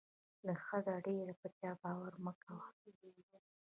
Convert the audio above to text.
له حده ډېر په چا باور مه کوه.